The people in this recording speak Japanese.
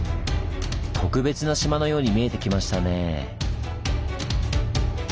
特別な島のように見えてきましたねぇ。